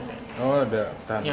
dan kamu disuruh tambah jauh